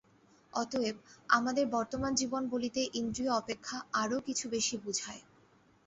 অতএব আমাদের বর্তমান জীবন বলিতে ইন্দ্রিয় অপেক্ষা আরও কিছু বেশী বুঝায়।